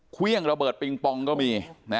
เครื่องระเบิดปิงปองก็มี